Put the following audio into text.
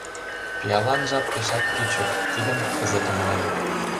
Пиалан жап пешак кӱчык, Тидым кызыт умылем.